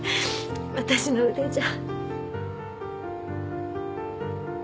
私の腕じゃ。